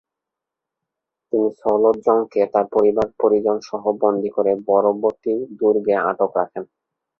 তিনি সওলত জংকে তার পরিবার পরিজনসহ বন্দি করে বড়বতি দুর্গে আটক রাখেন।